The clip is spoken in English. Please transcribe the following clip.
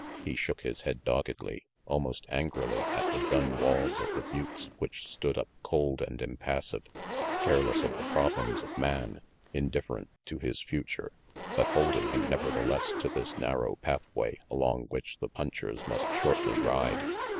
He shook his head doggedly, almost angrily, at the dun walls of the buttes which stood up cold and impassive, careless of the problems of man, indifferent to his future, but holding him nevertheless to this narrow pathway along which the punchers must shortly ride.